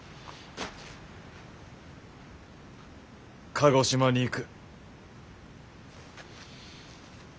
鹿児島に行く。